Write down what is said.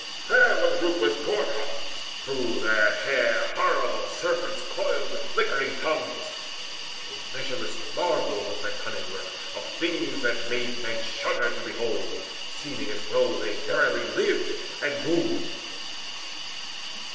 There were the ruthless Gorgons: through their hair Horribly serpents coiled with flickering tongues. A measureless marvel was that cunning work Of things that made men shudder to behold Seeming as though they verily lived and moved.